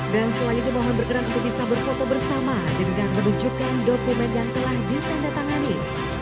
dan selanjutnya mohon berkenan untuk bisa bersoto bersama dengan menunjukkan dokumen yang telah ditanda tangani